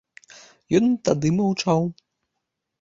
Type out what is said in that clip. Ён і тады маўчаў.